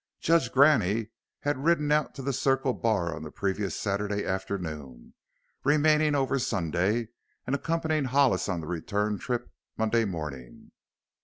Judge Graney had ridden out to the Circle Bar on the previous Saturday afternoon, remaining over Sunday, and accompanying Hollis on the return trip Monday morning.